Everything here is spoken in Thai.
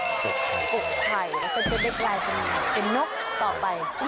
โกะไข่แล้วเป็นเด็กไหล่เป็นอะไรเป็นนกต่อไป